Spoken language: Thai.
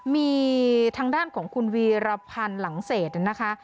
มีทางด้านของคุณวีรพันธ์หลังเศษนะคะ